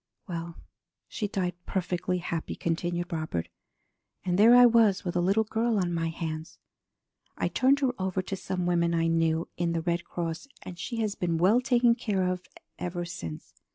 "Well, she died perfectly happy," continued Robert. "And there I was with a little girl on my hands! I turned her over to some women I knew in the Red Cross, and she has been well taken care of ever since.